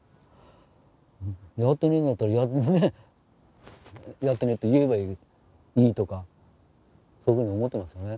やってないんだったらやってないって言えばいいとかそういうふうに思ってますよね。